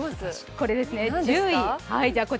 こちらですね、１０位。